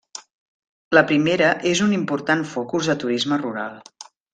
La primera és un important focus de turisme rural.